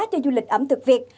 cho du lịch ẩm thực việt